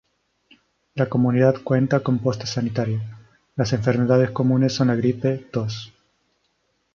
La comunidad cuenta con posta sanitaria, las enfermedades comunes son la gripe, tos.